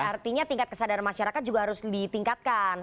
artinya tingkat kesadaran masyarakat juga harus ditingkatkan